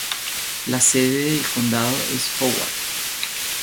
La sede de condado es Howard.